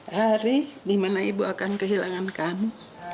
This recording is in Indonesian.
hari di mana ibu akan kehilangan kamu